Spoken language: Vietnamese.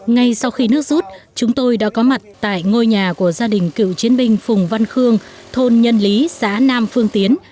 ngay sau khi nước rút chúng tôi đã có mặt tại ngôi nhà của gia đình cựu chiến binh phùng văn khương thôn nhân lý xã nam phương tiến